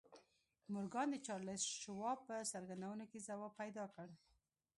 مورګان د چارليس شواب په څرګندونو کې ځواب پيدا کړ.